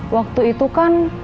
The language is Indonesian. waktu itu kan